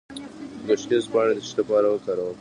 د ګشنیز پاڼې د څه لپاره وکاروم؟